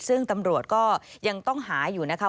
ซึ่งตำรวจก็ยังต้องหาอยู่นะคะ